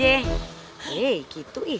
eh gitu sih